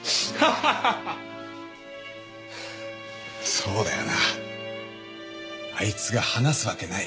そうだよなあいつが話すわけない。